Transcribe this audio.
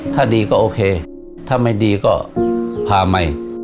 ถ้าดีก็โอเคถ้าไม่ดีก็พาใหม่